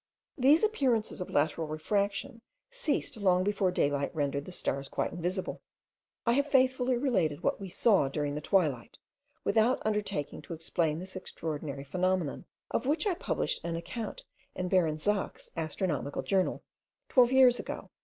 These appearances of lateral refraction ceased long before daylight rendered the stars quite invisible. I have faithfully related what we saw during the twilight, without undertaking to explain this extraordinary phenomenon, of which I published an account in Baron Zach's Astronomical Journal, twelve years ago.